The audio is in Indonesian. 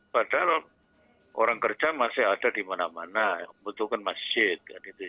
padahal orang kerja masih ada di mana mana yang membutuhkan masjid